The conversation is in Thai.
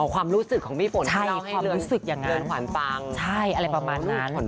อ๋อความรู้สึกของพี่โฟนที่เล่าให้เลือนขวานปังใช่ความรู้สึกอย่างนั้นใช่อะไรประมาณนั้น